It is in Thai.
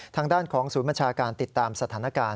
ทางด้านของศูนย์บัญชาการติดตามสถานการณ์